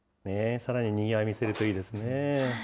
さらににぎわいを見せるといいですね。